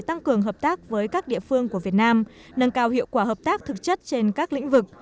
tăng cường hợp tác với các địa phương của việt nam nâng cao hiệu quả hợp tác thực chất trên các lĩnh vực